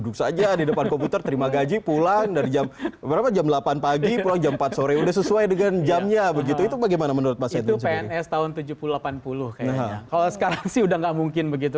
kalau sekarang sih sudah tidak mungkin begitu